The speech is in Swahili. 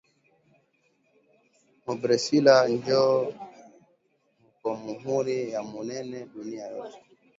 Mu bresila njo muko muhuru ya munene dunia yote